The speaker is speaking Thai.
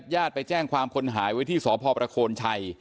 ยาดไปแจ้งความคนหายไว้ที่สพชช